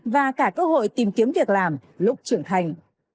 và cả cơ hội tìm kiếm việc làm lúc trưởng thành